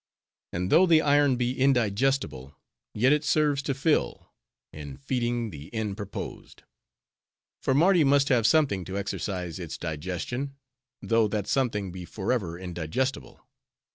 And though the iron be indigestible, yet it serves to fill: in feeding, the end proposed. For Mardi must have something to exercise its digestion, though that something be forever indigestible.